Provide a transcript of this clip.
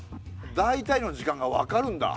大体の時間が分かるんだ。